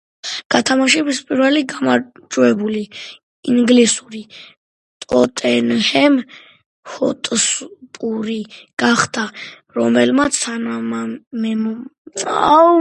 გათამაშების პირველი გამარჯვებული ინგლისური „ტოტენჰემ ჰოტსპური“ გახდა, რომელმაც თანამემამულე „ვულვერჰემპტონ უონდერერსი“ ორმატჩიან დუელში დაამარცხა.